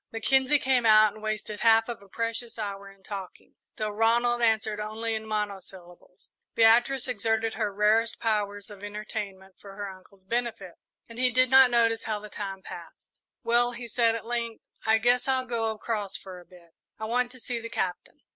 Mackenzie came out and wasted half of a precious hour in talking, though Ronald answered only in monosyllables. Beatrice exerted her rarest powers of entertainment for her uncle's benefit, and he did not notice how the time passed. "Well," he said, at length, "I guess I'll go across for a bit. I want to see the Captain."